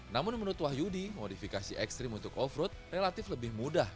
namun menurut wahyudi modifikasi ekstrim untuk off road relatif lebih mudah